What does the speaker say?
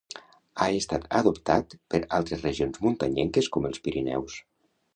Ha estat adoptat per altres regions muntanyenques com els Pirineus.